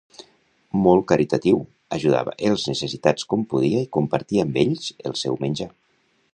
Molt caritatiu, ajudava els necessitats com podia i compartia amb ells el seu menjar.